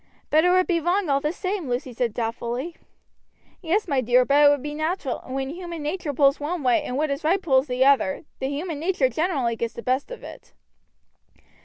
"But it would be wrong all the same," Lucy said doubtfully. "Yes, my dear, but it would be natural; and when human nature pulls one way, and what is right pulls the other, the human nature generally gets the best of it."